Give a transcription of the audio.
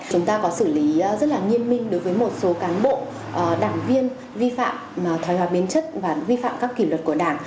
chúng ta có xử lý rất là nghiêm minh đối với một số cán bộ đảng viên vi phạm thói hóa biến chất và vi phạm các kỷ luật của đảng